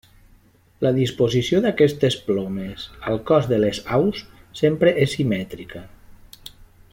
La disposició d'aquestes plomes al cos de les aus, sempre és simètrica.